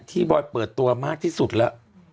ที่บอยเปิดตัวมากที่สุดละ